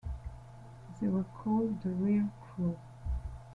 They were called the rear crew.